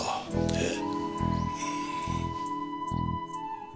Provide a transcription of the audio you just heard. ええ。